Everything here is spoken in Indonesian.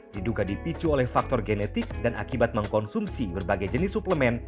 diduga dipicu oleh faktor genetik dan akibat mengkonsumsi berbagai jenis suplemen